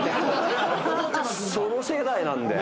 その世代なんで。